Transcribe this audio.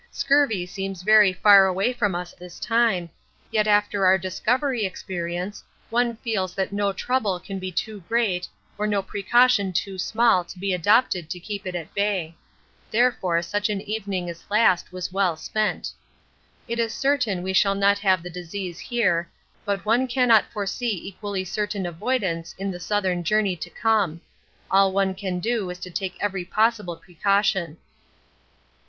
Scurvy seems very far away from us this time, yet after our Discovery experience, one feels that no trouble can be too great or no precaution too small to be adopted to keep it at bay. Therefore such an evening as last was well spent. It is certain we shall not have the disease here, but one cannot foresee equally certain avoidance in the southern journey to come. All one can do is to take every possible precaution.